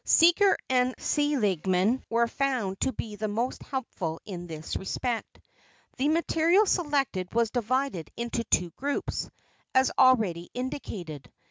Seager and Seligman were found to be the most helpful in this respect. The material selected was divided into two groups, as already indicated.